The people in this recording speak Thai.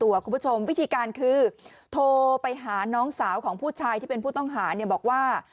คุณผู้ชมวิธีการคือโทรไปหาน้องสาวของผู้ชายที่เป็นผู้ต้องหาเนี่ยบอกว่า